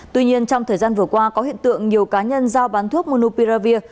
tuy nhiên trong thời gian vừa qua có hiện tượng nhiều cá nhân giao bán thuốc monupiravir